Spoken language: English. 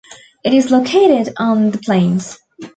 It is located on the plains.